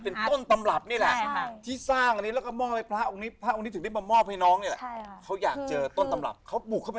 เพราะเราอยากรู้ว่าคือที่น้องลงตกลืม